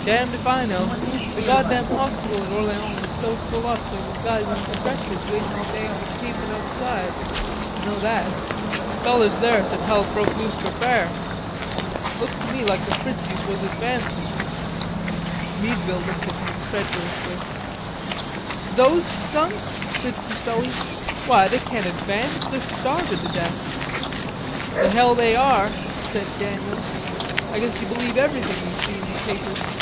"Damned of I know. The goddam hospital at Orleans was so full up there was guys in stretchers waiting all day on the pavement outside. I know that.... Fellers there said hell'd broke loose for fair. Looks to me like the Fritzies was advancin'." Meadville looked at him incredulously. "Those skunks?" said Fuselli. "Why they can't advance. They're starvin' to death." "The hell they are," said Daniels. "I guess you believe everything you see in the papers."